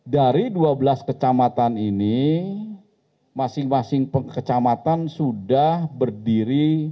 dari dua belas kecamatan ini masing masing kecamatan sudah berdiri